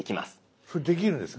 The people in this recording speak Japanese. それできるんですね？